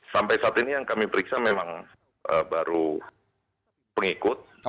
sampai saat ini yang kami periksa memang baru pengikut